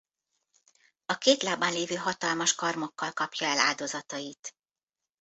A két lábán lévő hatalmas karmokkal kapja el áldozatait.